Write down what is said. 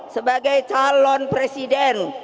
sebagai calon presiden